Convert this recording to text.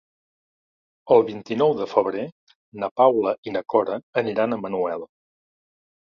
El vint-i-nou de febrer na Paula i na Cora aniran a Manuel.